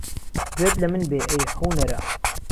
گوێت له من بێ ئەی حونەره